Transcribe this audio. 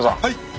はい！